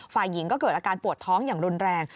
ฝ่ายหญิงก็เกิดอาการปวดท้องอย่างรุนแรง